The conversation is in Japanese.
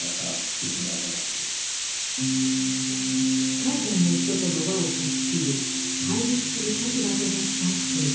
海外の人との輪を断ち切り対立する立場となった清太郎。